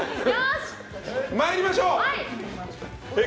参りましょう！